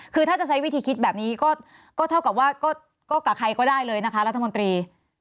คือถ้าจะใช้วิธีคิดแบบนี้ก็เท่ากับว่าก็กับใครก็ได้เลยนะคะรัฐมนตรี